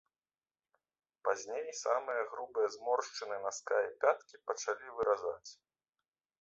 Пазней самыя грубыя зморшчыны наска і пяткі пачалі выразаць.